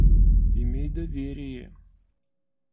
Имей доверие.